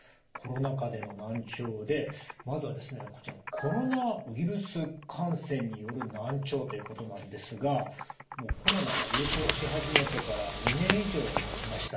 コロナウイルス感染による難聴ということなんですがもうコロナが流行し始めてから２年以上はたちました。